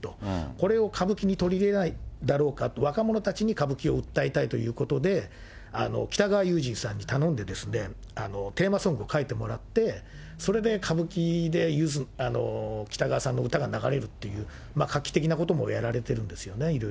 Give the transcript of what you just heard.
これを歌舞伎に取り入れられないだろうかと、若者たちに歌舞伎を訴えたいということで、北川悠仁さんに頼んで、テーマソング書いてもらって、それで歌舞伎でゆず、北川さんの歌が流れるっていう、画期的なこともやられてるんです